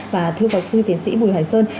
và thưa bác sư tiến sĩ bùi hoài sơn